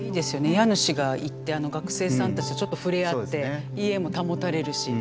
家主が行って学生さんたちとちょっと触れ合って家も保たれるし。